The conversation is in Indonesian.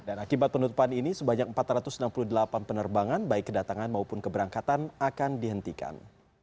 dan akibat penutupan ini sebanyak empat ratus enam puluh delapan penerbangan baik kedatangan maupun keberangkatan akan dihentikan